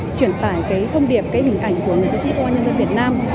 truyền tải cái thông điệp cái hình ảnh của người chiến sĩ công an nhân dân việt nam